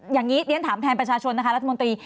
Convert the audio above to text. อย่างนี้เรียนถามแทนประชาชนนะคะรัฐมนตรี